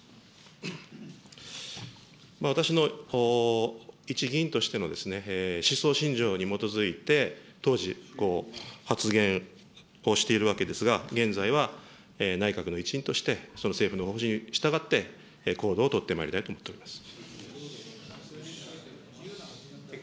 私の一議員としての思想信条に基づいて当時、発言をしているわけですが、現在は内閣の一員として、その政府の方針に従って、行動を取ってまいりたいと思っております。